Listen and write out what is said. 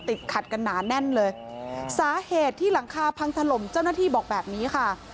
ติดขัดกันหนาแน่นเลยสาเหตุที่หลังคาพังถล่มเจ้าหน้าที่บอกแบบนี้ค่ะ